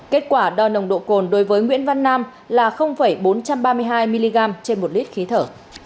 kết quả đo nồng độ cồn đối với nguyễn văn nam là bốn trăm ba mươi hai mg trên một lít khí thở